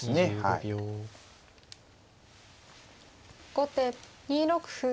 後手２六歩。